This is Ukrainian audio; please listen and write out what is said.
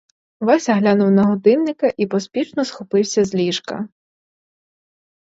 Вася глянув на годинника і поспішно схопився з ліжка.